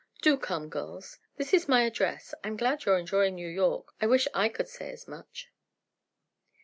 "Do come, girls, this is my address. I'm glad you're enjoying New York; I wish I could say as much."